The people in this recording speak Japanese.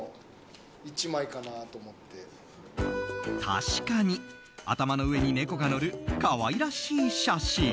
確かに、頭の上に猫が乗る可愛らしい写真。